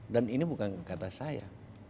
dan ini bukan kata saya